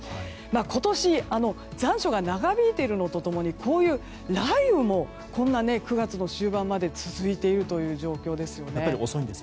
今年、残暑が長引いているのと共に雷雨もこんな９月の終盤まで続いている状況ですよね。